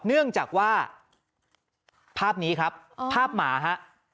เนื่องจากว่าภาพนี้ครับภาพหมาฮะ